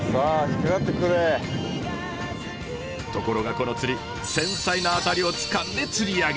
ところがこの釣り繊細なアタリをつかんで釣り上げる。